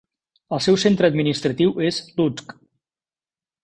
El seu centre administratiu és Lutsk.